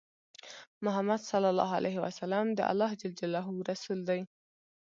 محمد صلی الله عليه وسلم د الله جل جلاله رسول دی۔